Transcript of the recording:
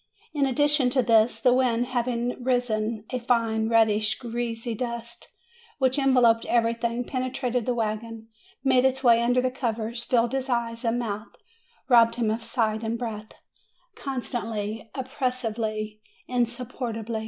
In addition to this, the wind having risen, a fine, reddish, greasy dust, which en veloped everything, penetrated the wagon, made its way under the covers, filled his eyes and mouth,, robbed him of sight and breath, constantly, op pressively, insupportably.